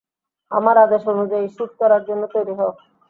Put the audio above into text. আমার আদেশ অনুযায়ী, শ্যুট করার জন্য তৈরি হও।